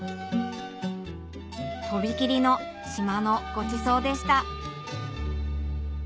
飛び切りの島のごちそうでした